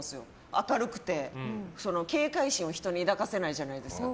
明るくて、警戒心を人に抱かせないじゃないですか。